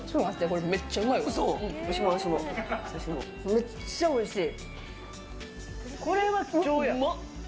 めっちゃおいしい！